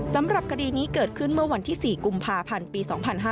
สำหรับคดีนี้เกิดขึ้นเมื่อวันที่๔กุมภาพันธ์ปี๒๕๕๙